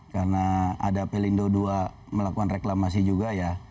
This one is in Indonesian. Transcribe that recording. karena ada pelindo dua melakukan reklamasi juga ya